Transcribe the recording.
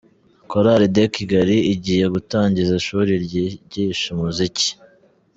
Chorale de Kigali igiye gutangiza ishuri ryigisha umuziki.